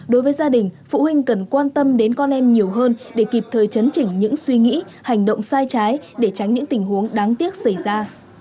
đối với gia đình phụ huynh cần quan tâm đến con em nhiều hơn để kịp thời chấn chỉnh những suy nghĩ hành động sai trái để tránh những tình huống đáng tiếc xảy ra